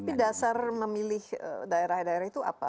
tapi dasar memilih daerah daerah itu apa